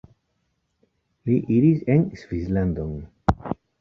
Li iris en Svislandon.